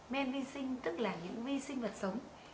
men vi sinh tức là những vi sinh vật sống